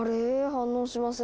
反応しません。